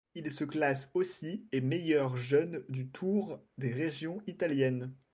Il se classe aussi et meilleur jeune du Tour des régions italiennes.